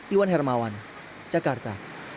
iwan hermawan jakarta